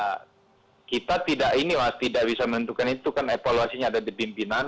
nah kita tidak ini mas tidak bisa menentukan itu kan evaluasinya ada di pimpinan